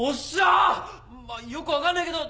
まあよく分かんねえけどやり直しだ！